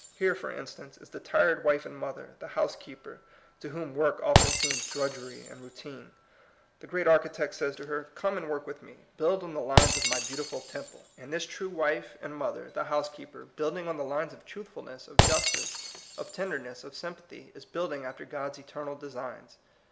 Here, for instance, is the tired wife and mother, the housekeeper, to whom work often seems drudgery and routine. The great Architect says to her, " Come and work with me. Build on the lines of my beautiful temple." And this true wife and 204 THE COMINO PEOPLE, mother, the housekeeper, building on the lines of truthfulness, of justice, of tender ness, of sympathy, is building after God's eternal designs.